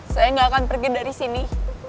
saya nggak akan pergi dari sini